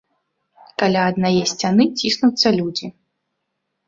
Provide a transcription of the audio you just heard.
Каля аднае сцяны ціснуцца людзі.